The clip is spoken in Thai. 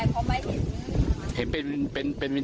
ควรเขาไปเห็น